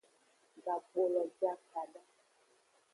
Gakpolo je akada.